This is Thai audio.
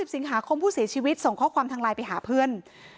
สิงหาคมผู้เสียชีวิตส่งข้อความทางไลน์ไปหาเพื่อน